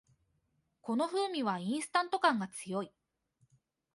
この風味はインスタント感が強い